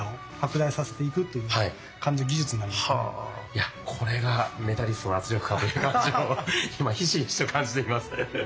いやこれがメダリストの圧力かという感じを今ひしひしと感じています。